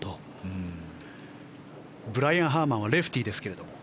ブライアン・ハーマンはレフティーですけれど。